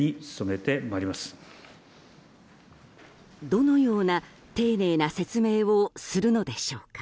どのような丁寧な説明をするのでしょうか。